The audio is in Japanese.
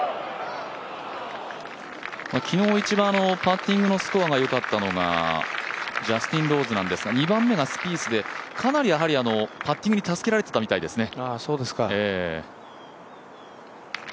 昨日、一番パッティングのスコアがよかったのがジャスティン・ローズだったんですが２番目がスピースでかなりパッティングに助けられていたみたいですね。